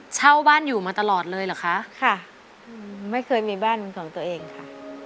เช่าบ้านอยู่มาตลอดเลยเหรอคะค่ะไม่เคยมีบ้านเป็นของตัวเองค่ะ